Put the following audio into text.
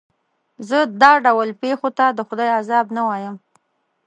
زه دا ډول پېښو ته د خدای عذاب نه وایم.